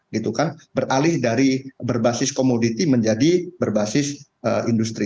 gitu kan beralih dari berbasis komoditi menjadi berbasis industri